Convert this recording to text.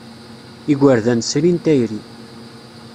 Igerdan srin tayri.